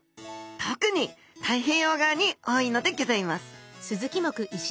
特に太平洋側に多いのでギョざいます。